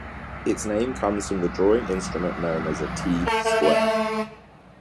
Its name comes from the drawing instrument known as a T-square.